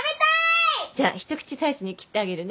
じゃあ一口サイズに切ってあげるね。